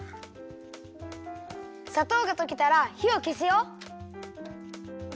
さとうがとけたらひをけすよ！